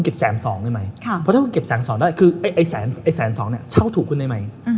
บาทถูกขึ้นได้มั้ย